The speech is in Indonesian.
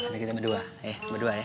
ntar kita berdua ya berdua ya